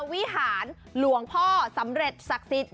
วิหารหลวงพ่อสำเร็จศักดิ์สิทธิ์